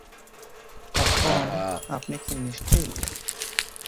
এখন, আপনি কি নিশ্চিত?